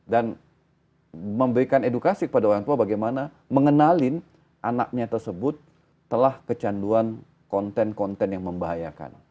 dan memberikan edukasi kepada orang tua bagaimana mengenalin anaknya tersebut telah kecanduan konten konten yang membahayakan